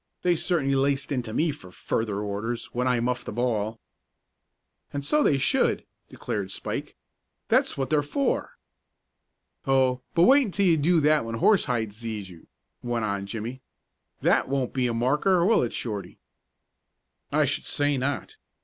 "They certainly laced into me for further orders when I muffed a ball." "And so they should," declared Spike. "That's what they're for." "Oh, but wait until you do that when Horsehide sees you," went on Jimmie. "That won't be a marker, will it, Shorty?" "I should say not.